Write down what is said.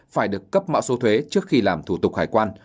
phải được cấp mã số thuế trước khi làm thủ tục hải quan